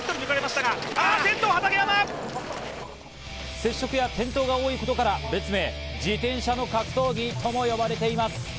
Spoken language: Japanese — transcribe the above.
接触や転倒が多いことから、別名、自転車の格闘技とも呼ばれています。